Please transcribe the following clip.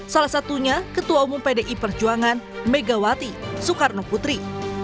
salah satunya ketua umum pdi perjuangan megawati soekarno putri